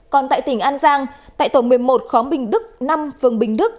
còn tại tỉnh an giang tại tổ một mươi một khóm bình đức năm phường bình đức